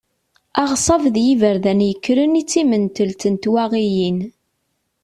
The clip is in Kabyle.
Aɣṣab d yiberdan yekkren i d timentelt n twaɣiyin.